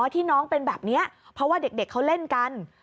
ที่น้องเป็นแบบนี้เพราะว่าเด็กเขาเล่นกัน